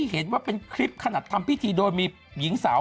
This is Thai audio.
คุณดูสิทำไมฮะ